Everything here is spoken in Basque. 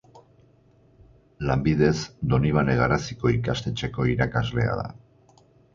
Lanbidez, Donibane Garaziko ikastetxeko irakaslea da.